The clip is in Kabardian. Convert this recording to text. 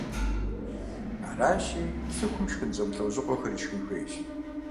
Аращи, цӀыхум шхын зэмылӀэужъыгъуэхэр ишхын хуейщ.